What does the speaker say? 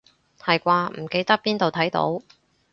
係啩，唔記得邊度睇到